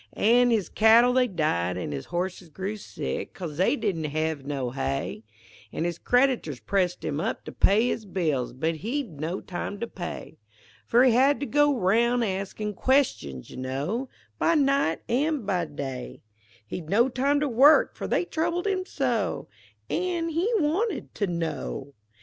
An' his cattle they died, an' his horses grew sick, 'Cause they didn't hev no hay; An' his creditors pressed him to pay up his bills, But he'd no time to pay, For he had to go roun' askin' questions, you know, By night an' by day; He'd no time to work, for they troubled him so, An' he wanted to know.